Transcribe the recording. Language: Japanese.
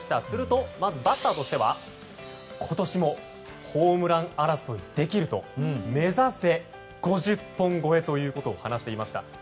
するとまずバッターとしては今年も、ホームラン争いできると目指せ、５０本超えと話していました。